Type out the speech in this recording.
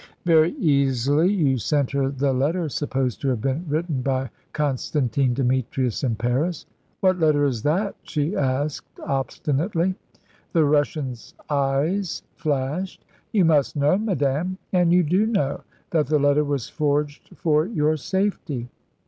"Very easily. You sent her the letter supposed to have been written by Constantine Demetrius in Paris." "What letter is that?" she asked obstinately. The Russian's eyes flashed. "You must know, madame, and you do know, that the letter was forged for your safety."